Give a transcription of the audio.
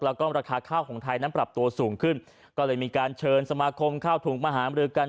แล้วก็ราคาข้าวของไทยนั้นปรับตัวสูงขึ้นก็เลยมีการเชิญสมาคมข้าวถุงมหามรือกัน